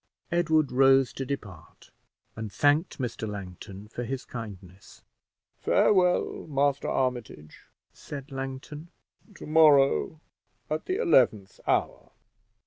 Edward rose to depart, and thanked Mr. Langton for his kindness. "Farewell, Master Armitage," said Langton; "to morrow, at the eleventh hour!"